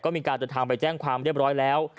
ก็มีการจะทำไปแจ้งความเรียบร้อยแล้ว